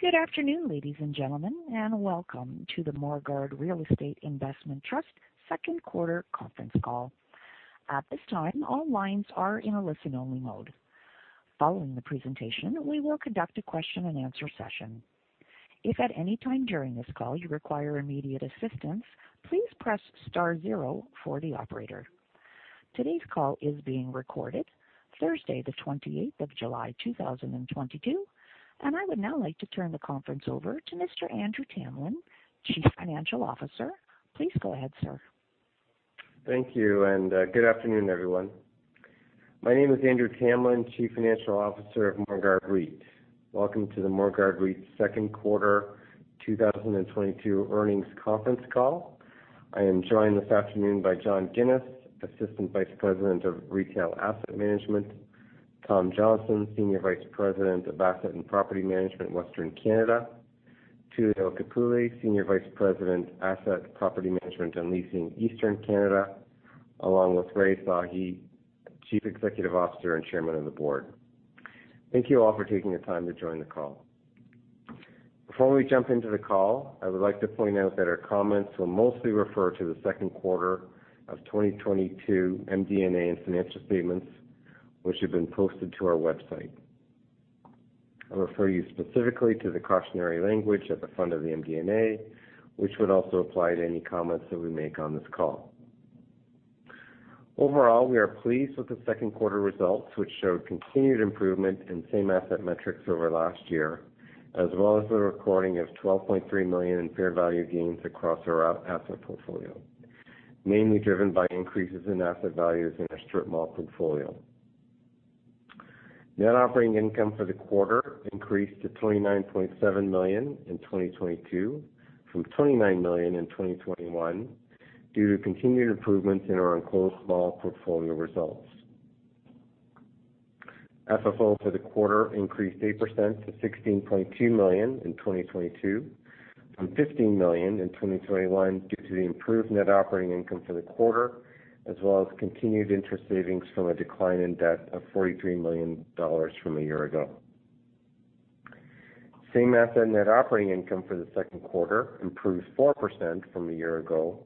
Good afternoon, ladies and gentlemen, and welcome to the Morguard Real Estate Investment Trust Second Quarter Conference Call. At this time, all lines are in a listen-only mode. Following the presentation, we will conduct a question-and-answer session. If at any time during this call you require immediate assistance, please press star zero for the operator. Today's call is being recorded Thursday, the 28th of July, 2022. I would now like to turn the conference over to Mr. Andrew Tamlin, Chief Financial Officer. Please go ahead, sir. Thank you and good afternoon, everyone. My name is Andrew Tamlin, Chief Financial Officer of Morguard REIT. Welcome to the Morguard REIT second quarter 2022 earnings conference call. I am joined this afternoon by John Ginis, Assistant Vice President of Retail Asset Management, Tom Johnston, Senior Vice President of Asset and Property Management, Western Canada, Tullio Capulli, Senior Vice President, Asset Property Management and Leasing, Eastern Canada, along with Rai Sahi, Chief Executive Officer and Chairman of the Board. Thank you all for taking the time to join the call. Before we jump into the call, I would like to point out that our comments will mostly refer to the second quarter of 2022 MD&A and financial statements, which have been posted to our website. I refer you specifically to the cautionary language at the front of the MD&A, which would also apply to any comments that we make on this call. Overall, we are pleased with the second quarter results, which showed continued improvement in same-asset metrics over last year, as well as the recording of 12.3 million in fair value gains across our asset portfolio, mainly driven by increases in asset values in our strip mall portfolio. Net operating income for the quarter increased to 29.7 million in 2022 from 29 million in 2021 due to continued improvements in our enclosed mall portfolio results. FFO for the quarter increased 8% to 16.2 million in 2022 from 15 million in 2021 due to the improved net operating income for the quarter, as well as continued interest savings from a decline in debt of 43 million dollars from a year ago. Same-asset net operating income for the second quarter improved 4% from a year ago,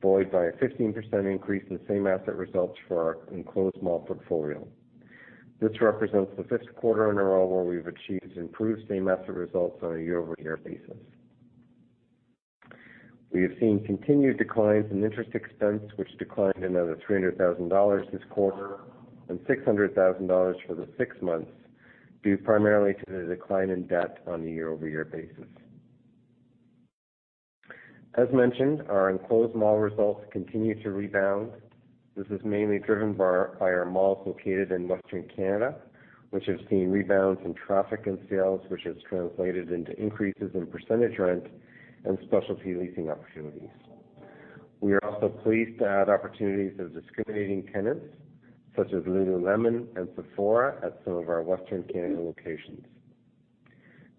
buoyed by a 15% increase in same-asset results for our enclosed mall portfolio. This represents the fifth quarter in a row where we've achieved improved same-asset results on a year-over-year basis. We have seen continued declines in interest expense, which declined another 300,000 dollars this quarter and 600,000 dollars for the six months, due primarily to the decline in debt on a year-over-year basis. As mentioned, our enclosed mall results continue to rebound. This is mainly driven by our malls located in Western Canada, which have seen rebounds in traffic and sales, which has translated into increases in percentage rent and specialty leasing opportunities. We are also pleased to add opportunities of discriminating tenants such as Lululemon and Sephora at some of our Western Canada locations.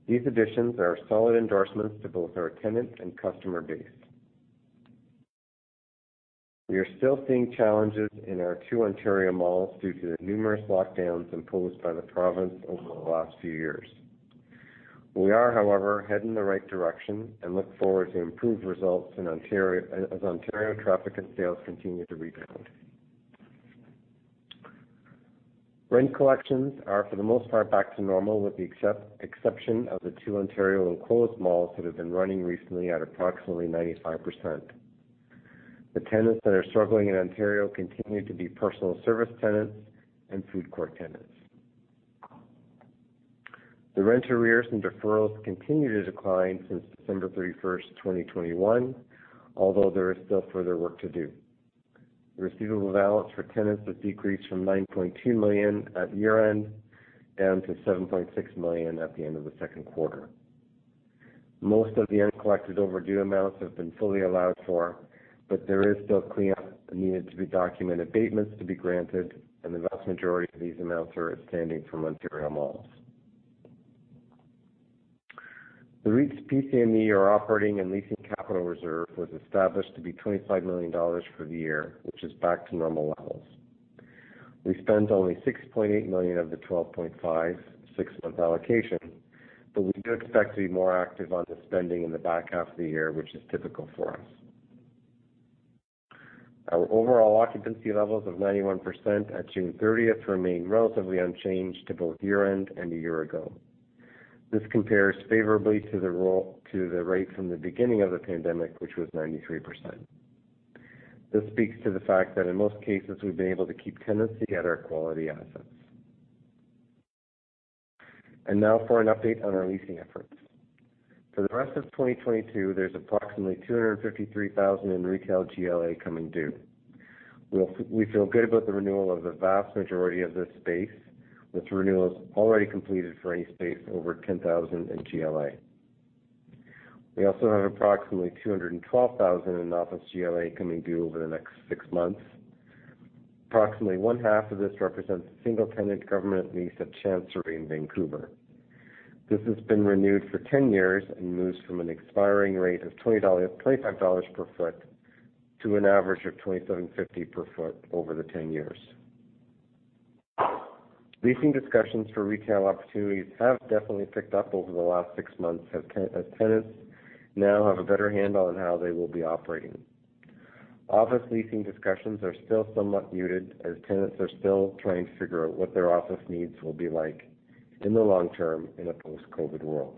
These additions are solid endorsements to both our tenant and customer base. We are still seeing challenges in our two Ontario malls due to the numerous lockdowns imposed by the province over the last few years. We are, however, heading in the right direction and look forward to improved results in Ontario, as Ontario traffic and sales continue to rebound. Rent collections are for the most part back to normal, with the exception of the two Ontario enclosed malls that have been running recently at approximately 95%. The tenants that are struggling in Ontario continue to be personal service tenants and food court tenants. The rent arrears and deferrals continue to decline since December 31, 2021, although there is still further work to do. The receivable balance for tenants has decreased from 9.2 million at year-end down to 7.6 million at the end of the second quarter. Most of the uncollected overdue amounts have been fully allowed for, but there is still cleanup needed to be documented, abatements to be granted, and the vast majority of these amounts are outstanding from Ontario malls. The REIT's PCME or operating and leasing capital reserve was established to be 25 million dollars for the year, which is back to normal levels. We spent only 6.8 million of the 12.5 million six-month allocation, but we do expect to be more active on the spending in the back half of the year, which is typical for us. Our overall occupancy levels of 91% at June 30th remain relatively unchanged to both year-end and a year ago. This compares favorably to the rate from the beginning of the pandemic, which was 93%. This speaks to the fact that in most cases, we've been able to keep tenants together at quality assets. Now for an update on our leasing efforts. For the rest of 2022, there's approximately 253,000 sq ft in retail GLA coming due. We feel good about the renewal of the vast majority of this space, with renewals already completed for any space over 10,000 sq ft in GLA. We also have approximately 212,000 in office GLA coming due over the next six months. Approximately one half of this represents a single-tenant government lease at Chancery in Vancouver. This has been renewed for 10 years and moves from an expiring rate of 25 dollars per foot to an average of 27.50 per foot over the 10 years. Leasing discussions for retail opportunities have definitely picked up over the last six months as tenants now have a better handle on how they will be operating. Office leasing discussions are still somewhat muted as tenants are still trying to figure out what their office needs will be like in the long term in a post-COVID world.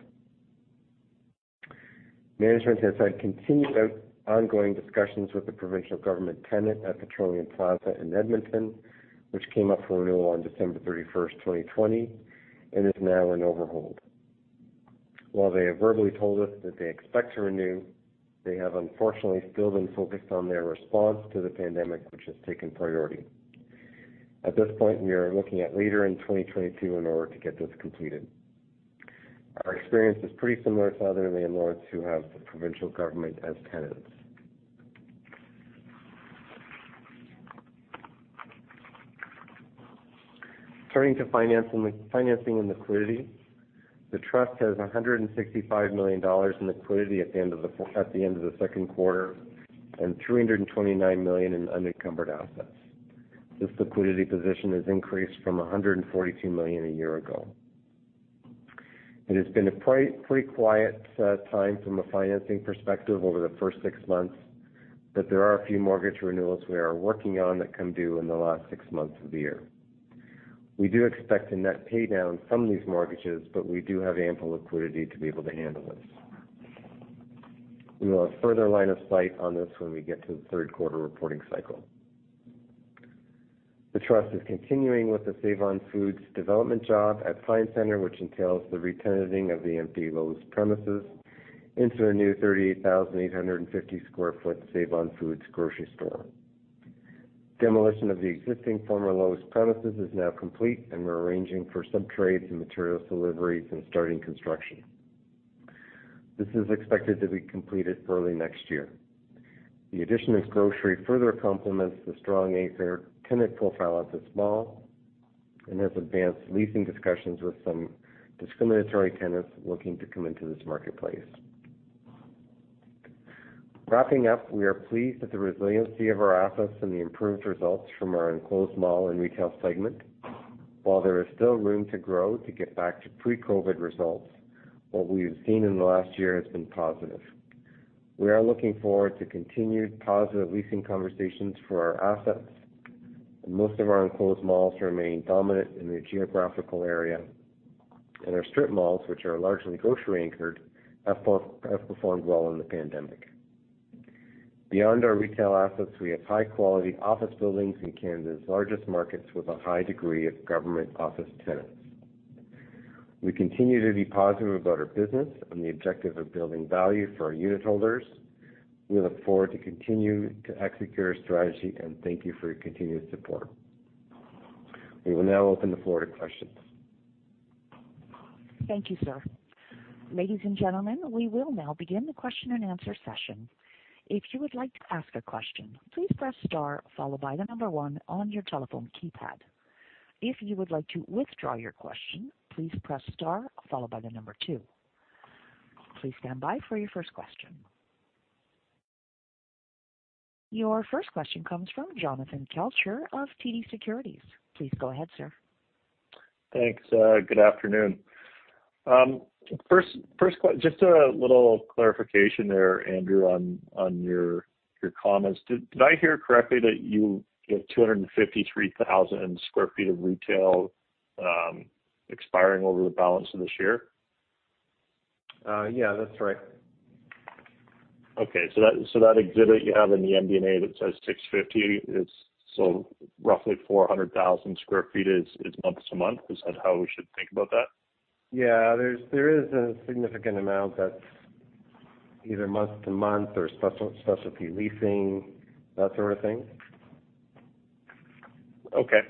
Management has had continued ongoing discussions with the provincial government tenant at Petroleum Plaza in Edmonton, which came up for renewal on December 31, 2020, and is now in overhold. While they have verbally told us that they expect to renew, they have unfortunately still been focused on their response to the pandemic, which has taken priority. At this point, we are looking at later in 2022 in order to get this completed. Our experience is pretty similar to other landlords who have the provincial government as tenants. Turning to financing and liquidity. The trust has 165 million dollars in liquidity at the end of the second quarter, and 329 million in unencumbered assets. This liquidity position has increased from 142 million a year ago. It has been a pretty quiet time from a financing perspective over the first six months, but there are a few mortgage renewals we are working on that come due in the last six months of the year. We do expect to net pay down some of these mortgages, but we do have ample liquidity to be able to handle this. We will have further line of sight on this when we get to the third quarter reporting cycle. The trust is continuing with the Save-On-Foods development job at Pine Centre, which entails the re-tenanting of the empty Lowe's premises into a new 38,850 sq ft Save-On-Foods grocery store. Demolition of the existing former Lowe's premises is now complete, and we're arranging for subtrades and material deliveries and starting construction. This is expected to be completed early next year. The addition of this grocery further complements the strong A-center tenant profile at this mall and has advanced leasing discussions with some discriminating tenants looking to come into this marketplace. Wrapping up, we are pleased with the resiliency of our assets and the improved results from our enclosed mall and retail segment. While there is still room to grow to get back to pre-COVID results, what we have seen in the last year has been positive. We are looking forward to continued positive leasing conversations for our assets, and most of our enclosed malls remain dominant in their geographical area. Our strip malls, which are largely grocery anchored, have performed well in the pandemic. Beyond our retail assets, we have high-quality office buildings in Canada's largest markets with a high degree of government office tenants. We continue to be positive about our business and the objective of building value for our unitholders. We look forward to continue to execute our strategy and thank you for your continued support. We will now open the floor to questions. Thank you, sir. Ladies and gentlemen, we will now begin the question-and-answer session. If you would like to ask a question, please press star followed by one on your telephone keypad. If you would like to withdraw your question, please press star followed by two. Please stand by for your first question. Your first question comes from Jonathan Kelcher of TD Securities. Please go ahead, sir. Thanks. Good afternoon. Just a little clarification there, Andrew, on your comments. Did I hear correctly that you have 253,000 sq ft of retail expiring over the balance of this year? Yeah, that's right. Okay. That exhibit you have in the MD&A that says 650 is roughly 400,000 sq ft month-to-month. Is that how we should think about that? Yeah. There is a significant amount that's either month to month or specialty leasing, that sort of thing. Okay.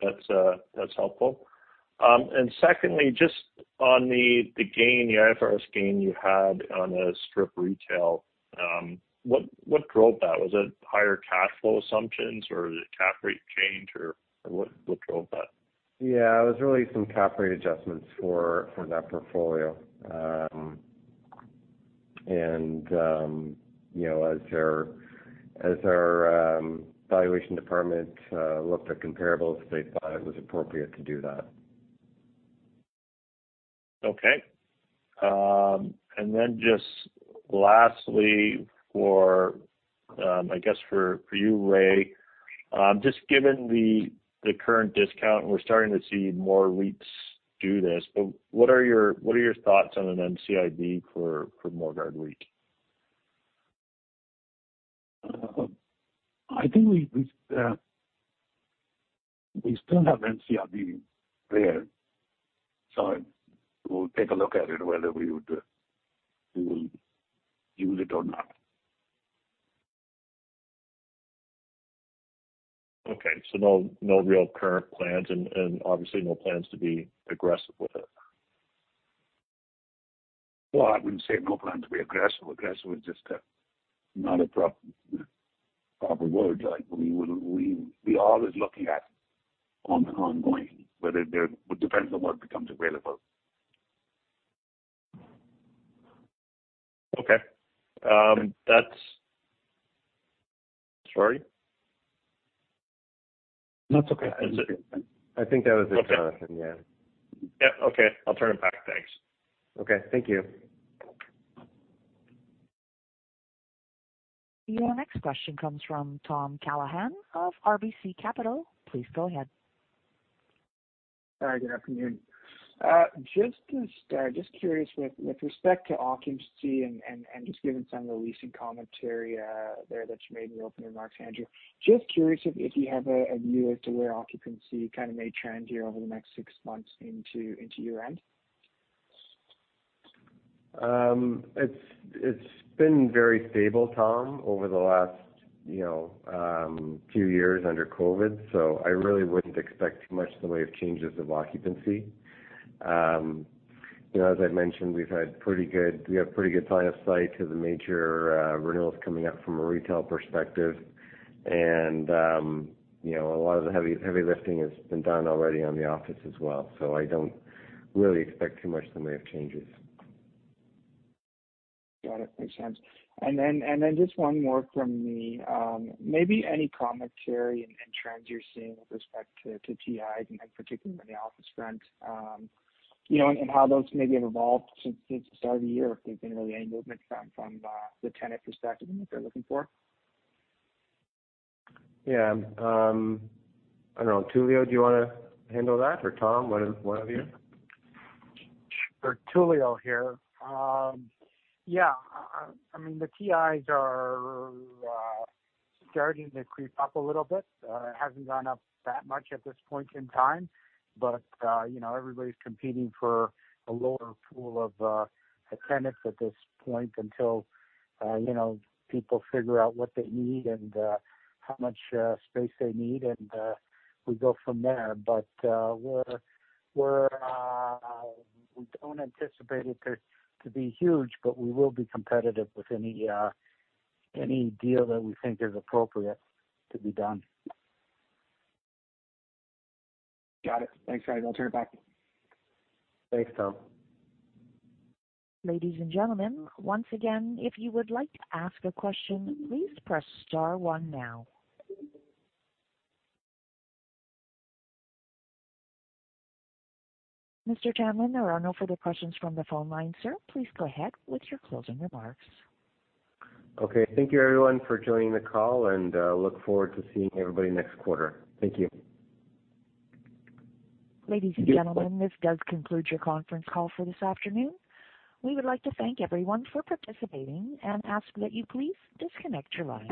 That's helpful. Secondly, just on the gain, the IFRS gain you had on strip retail, what drove that? Was it higher cash flow assumptions or did the cap rate change? Or what drove that? Yeah. It was really some cap rate adjustments for that portfolio. You know, as our valuation department looked at comparables, they thought it was appropriate to do that. Okay. Just lastly, I guess, for you, Rai, just given the current discount, we're starting to see more REITs do this, but what are your thoughts on an NCIB for Morguard REIT? I think we still have NCIB there, so we'll take a look at it, whether we will use it or not. Okay. No real current plans and obviously no plans to be aggressive with it. Well, I wouldn't say no plans to be aggressive. Aggressive is just, not a proper word. Like, we always looking at on an ongoing, whether there. It depends on what becomes available. Okay. That's sorry. No, it's okay. I think that was it, Jonathan. Yeah. Yeah. Okay. I'll turn it back. Thanks. Okay. Thank you. Your next question comes from Tom Callaghan of RBC Capital Markets. Please go ahead. Hi. Good afternoon. Just to start, just curious with respect to occupancy and just given some of the recent commentary there that you made in your opening remarks, Andrew. Just curious if you have a view as to where occupancy kind of may trend here over the next six months into year-end. It's been very stable, Tom, over the last, you know, few years under COVID, so I really wouldn't expect too much in the way of changes of occupancy. You know, as I've mentioned, we have pretty good line of sight to the major renewals coming up from a retail perspective. You know, a lot of the heavy lifting has been done already on the office as well. I don't really expect too much in the way of changes. Got it. Makes sense. Just one more from me. Maybe any commentary and trends you're seeing with respect to TIs and particularly on the office front, you know, and how those maybe have evolved since the start of the year, if there's been really any movement from the tenant perspective and what they're looking for. Yeah. I don't know. Tullio, do you wanna handle that or Tom, one of you? Sure. Tullio here. Yeah, I mean, the TIs are starting to creep up a little bit. It hasn't gone up that much at this point in time, but you know, everybody's competing for a lower pool of tenants at this point until you know, people figure out what they need and how much space they need, and we go from there. We don't anticipate it to be huge, but we will be competitive with any deal that we think is appropriate to be done. Got it. Thanks, guys. I'll turn it back. Thanks, Tom. Ladies and gentlemen, once again, if you would like to ask a question, please press star one now. Mr. Tamlin, there are no further questions from the phone line, sir. Please go ahead with your closing remarks. Okay. Thank you everyone for joining the call and, look forward to seeing everybody next quarter. Thank you. Ladies and gentlemen, this does conclude your conference call for this afternoon. We would like to thank everyone for participating and ask that you please disconnect your lines.